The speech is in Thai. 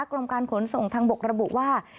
กรมการขนส่งทางบกระบุว่า